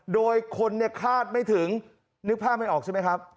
โดยคนเนี่ยคาดไม่ถึงนึกภาพไม่ออกใช่ไหมครับ